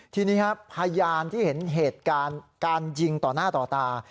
ทีนี้ครับพยานที่เห็นเหตุการณ์การยิงต่อหน้าต่อตา